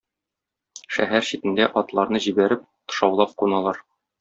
Шәһәр читендә атларны җибәреп, тышаулап куналар.